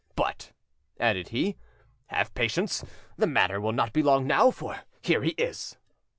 But," added he, "have patience; the matter will not be long now, for here he is."